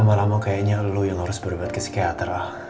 lama lama kayaknya lo yang harus berubat ke psikiater al